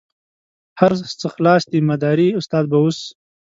هر څه خلاص دي مداري استاد به اوس.